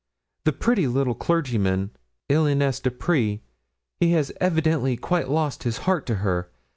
The pretty little clergyman il en est épris he has evidently quite lost his heart to her.